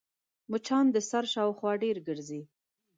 مچان د سر شاوخوا ډېر ګرځي